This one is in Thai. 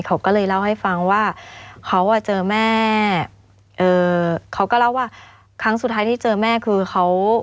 เขาก็เลยเล่าให้ฟังว่าเขาอ่ะเจอแม่เอ่อเขาก็เล่าว่าครั้งสุดท้ายที่เจอแม่คือเขา